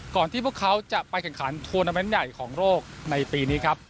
ที่พวกเขาจะไปแข่งขันทวนาเมนต์ใหญ่ของโลกในปีนี้ครับ